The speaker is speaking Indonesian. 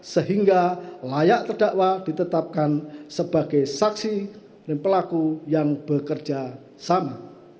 sehingga layak terdakwa ditetapkan sebagai saksi dan pelaku yang bekerja sama